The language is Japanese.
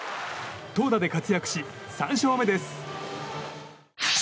投打で活躍し、３勝目です！